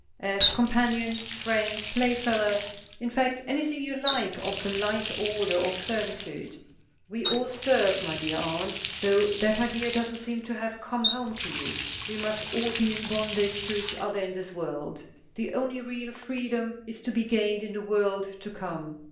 As companion, friend, playfellow, in fact anything you like of the light order of servitude. We all serve, my dear aunt, though that idea doesn't seem to have come home to you. We must all be in bondage to each other in this world the only real freedom is to be gained in the world to come.